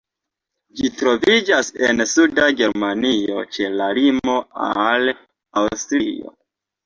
Ĝi troviĝas en suda Germanio, ĉe la limo al Aŭstrio.